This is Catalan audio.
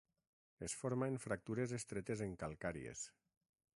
Es forma en fractures estretes en calcàries.